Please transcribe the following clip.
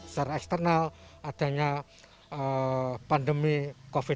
secara eksternal adanya pandemi covid sembilan belas